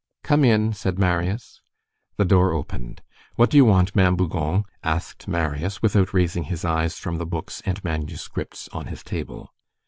"Come in," said Marius. The door opened. "What do you want, Ma'am Bougon?" asked Marius, without raising his eyes from the books and manuscripts on his table.